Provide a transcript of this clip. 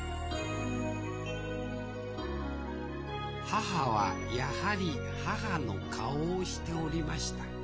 母はやはり母の顔をしておりました。